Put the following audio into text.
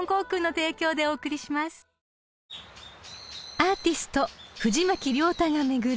［アーティスト藤巻亮太が巡る